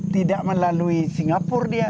tidak melalui singapura dia